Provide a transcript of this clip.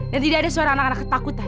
dan tidak ada suara anak anak ketakutan